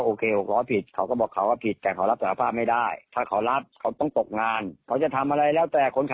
ทุกอย่างดูทุกวันนี้มีการรับต่อกับเขาเลย